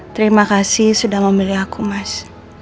terima kasih sudah memilih aku mas